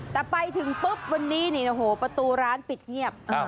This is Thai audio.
แต่ไปถึงปุ๊บวันนี้นี่โอ้โหประตูร้านปิดเงียบ